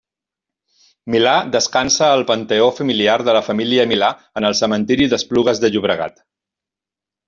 Milà descansa al Panteó Familiar de la família Milà en el Cementiri d'Esplugues de Llobregat.